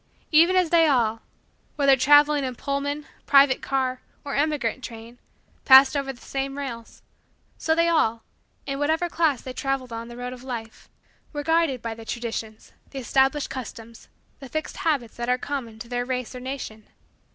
Even as they all, whether traveling in Pullman, private car, or emigrant train, passed over the same rails, so they all, in whatever class they traveled on the road of Life, were guided by the Traditions the established customs the fixed habits that are common to their race or nation.